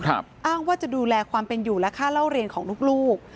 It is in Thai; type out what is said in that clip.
อ้างว่าจะดูแลความเป็นอยู่และค่าเล่าเรียนของลูก